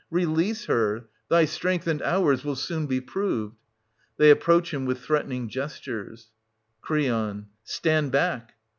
Release her I Thy strength, and ours, will soon be proved. \They approach him with threatening gestures, Cr. Stand back